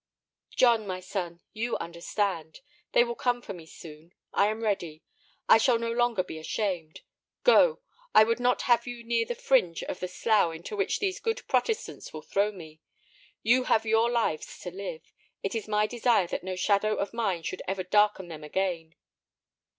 "John, my son, you understand. They will come for me soon; I am ready; I shall no longer be ashamed. Go. I would not have you near the fringe of the slough into which these good Protestants will throw me. You have your lives to live. It is my desire that no shadow of mine should ever darken them again."